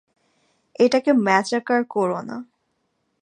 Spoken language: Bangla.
এটাকে ম্যাচাকার করো না।